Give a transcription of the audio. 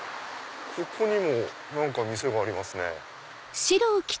ここにも何か店がありますね。